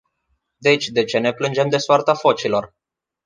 Deci de ce ne plângem de soarta focilor?